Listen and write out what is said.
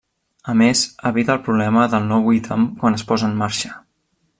A més evita el problema del nou ítem quan es posa en marxa.